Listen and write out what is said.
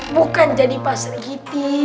bukan jadi pesergyti